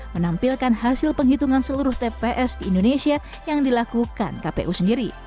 menampilkan hasil penghitungan seluruh tps di indonesia yang dilakukan kpu sendiri